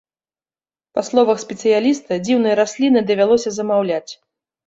Па словах спецыяліста, дзіўныя расліны давялося замаўляць.